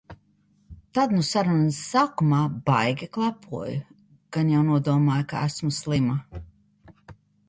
Tad nu sarunas sākumā baigi klepoju. Gan jau nodomāja, ka esmu slima.